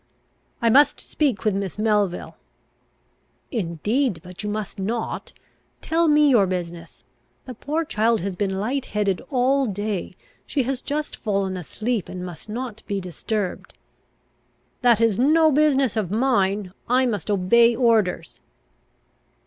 "I must speak with Miss Melville." "Indeed, but you must not. Tell me your business. The poor child has been light headed all day. She has just fallen asleep, and must not be disturbed." "That is no business of mine. I must obey orders."